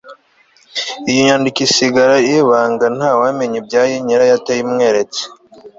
iyo nyandiko isigara ari ibanga ntawamenya ibyayo nyirayo atayimweretse